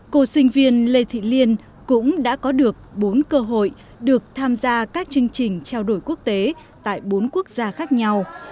cô sinh viên lê thị liên cũng đã có được bốn cơ hội được tham gia các chương trình trao đổi quốc tế tại bốn quốc gia khác nhau